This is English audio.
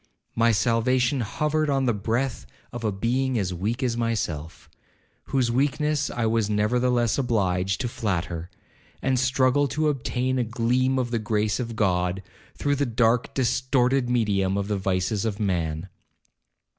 My salvation hovered on the breath of a being as weak as myself, whose weakness I was nevertheless obliged to flatter, and struggle to obtain a gleam of the grace of God, through the dark distorted medium of the vices of man.